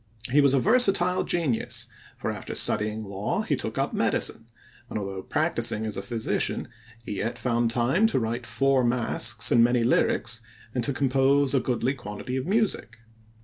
He was a versatile genius, for, after studying law, he took up medicine, and, although practising as a physician, he yet found time to write four masques and many lyrics and to compose a goodly quantity of music.